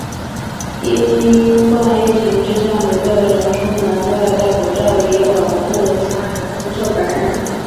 新冠疫情之下，每个人出门都要带口罩，以保护他人不受感染。